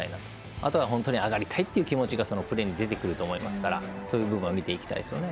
あとは本当に上がりたいって気持ちがプレーに出てくると思いますからそういう部分を見ていきたいですよね。